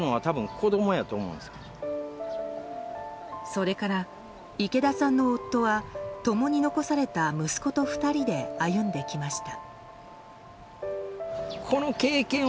それから池田さんの夫は共に残された息子と２人で歩んできました。